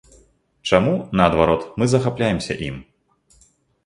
Чаму, наадварот, мы захапляемся ім?